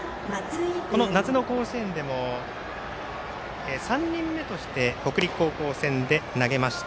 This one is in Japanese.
夏の甲子園でも３人目として北陸高校戦で投げました。